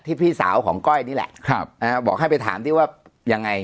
พี่สาวของก้อยนี่แหละครับนะฮะบอกให้ไปถามที่ว่ายังไง